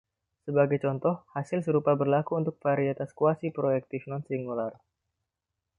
Sebagai contoh, hasil serupa berlaku untuk varietas kuasi-proyektif non-singular.